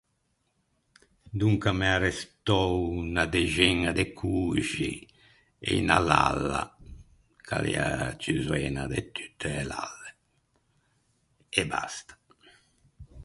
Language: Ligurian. Donca m’é arrestou unna dexeña de coxi e unna lalla ch’a l’ea a ciù zoena de tutte e lalle. E basta.